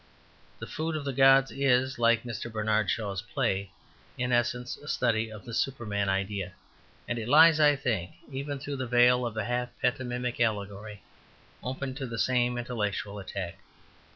"The Food of the Gods" is, like Mr. Bernard Shaw's play, in essence a study of the Superman idea. And it lies, I think, even through the veil of a half pantomimic allegory, open to the same intellectual attack.